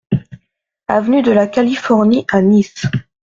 Avenue de la Californie à Nice